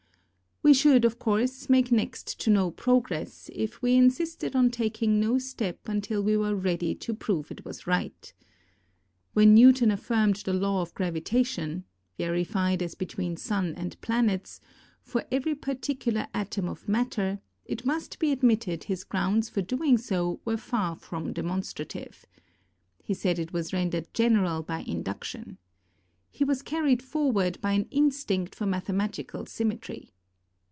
We should, of course, make next to no progress, if we insisted on taking no step until we were ready to prove it was right. When Newton affirmed the law of gravitation — verified as between Sun and planets — for every particular atom of matter, it must be admitted his grounds for doing so were far from demonstrative. He said it was rendered general by induction. He was AND RELATIVITY ir carried forward by an instinct for mathematical sym metry.